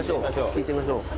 聞いてみましょう。